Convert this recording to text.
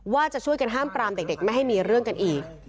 ว่าจะช่วยกันห้ามปรามเด็กไม่ให้มีเรื่องกันอีก